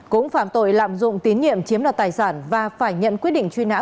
cũng phạm tội lạm dụng tín nhiệm chiếm đoạt tài sản và phải nhận quyết định truy nã